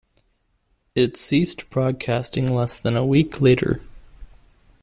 It ceased broadcasting less than a week later.